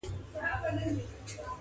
o د حق وینا یمه دوا غوندي ترخه یمه زه,